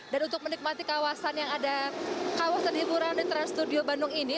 dan untuk menikmati kawasan yang ada kawasan hiburan di trans studio bandung ini